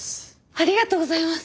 ありがとうございます！